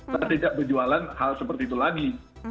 saya tidak berjualan hal seperti itu lagi